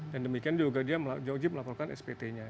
dan demikian juga dia wajib melaporkan spt nya